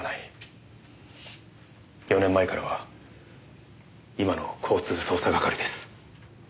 ４年前からは今の交通捜査係です。